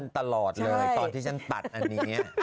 ตอนที่ฉันตัดอันนี้